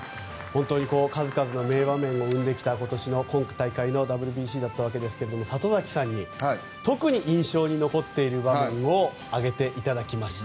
数々の名場面を生んできた今大会のＷＢＣだったわけですが里崎さんに特に印象に残っている場面を挙げていただきました。